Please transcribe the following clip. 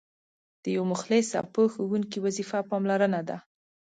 د یو مخلص او پوه ښوونکي وظیفه پاملرنه ده.